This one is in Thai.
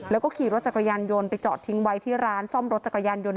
แล้วก็ขี่รถจักรยานยนต์ไปจอดทิ้งไว้ที่ร้านซ่อมรถจักรยานยนต